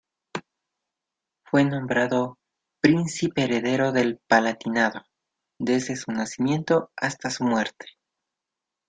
Fue nombrado "Príncipe Heredero del Palatinado" desde su nacimiento hasta su muerte.